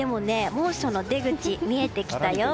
猛暑の出口見えてきたよ。